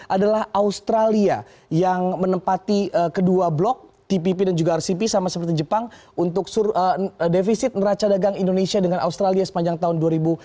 adalah australia yang menempati kedua blok tpp dan juga rcp sama seperti jepang untuk defisit neraca dagang indonesia dengan australia sepanjang tahun dua ribu dua puluh